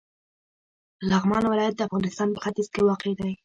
لغمان ولایت د افغانستان په ختیځ کې واقع دی.